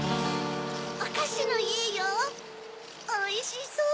おかしのいえよおいしそう！